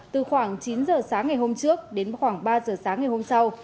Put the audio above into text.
từ khoảng chín giờ sáng ngày hôm trước đến khoảng ba giờ sáng ngày hôm sau